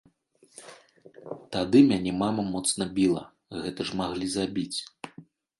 Тады мяне мама моцна біла, гэта ж маглі забіць.